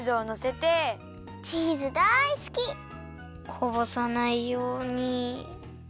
こぼさないように。